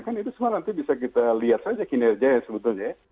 kan itu semua nanti bisa kita lihat saja kinerjanya sebetulnya ya